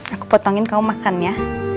aku potongin kamu makan ya